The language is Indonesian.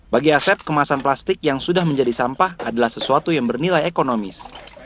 bagi asep kemasan plastik yang sudah menjadi sampah adalah sesuatu yang bernilai ekonomis